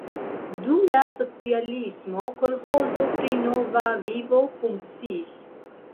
Dum la socialismo kolĥozo pri Nova Vivo funkciis.